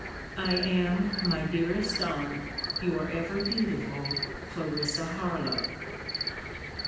I am, my dearest Aunt, Your ever dutiful, CL. HARLOWE.